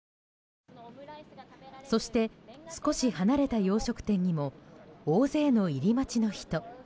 そして、少し離れた洋食店にも大勢の入り待ちの人。